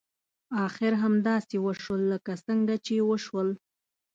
اخر همداسې وشول لکه څنګه چې وشول.